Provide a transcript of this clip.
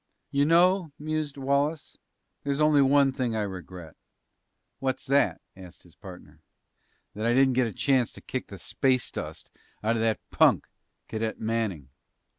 "You know," mused Wallace, "there's only one thing I regret." "What's that?" asked his partner. "That I didn't get a chance to kick the space dust out of that punk, Cadet Manning!"